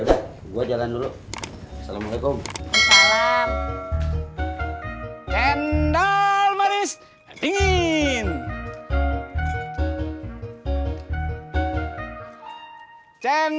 udah gua jalan dulu assalamualaikum salam cendol manis dingin cendol manis dingin